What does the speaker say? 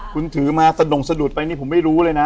คุณถือมาสะดงสะดุดไปนี่ผมไม่รู้เลยนะ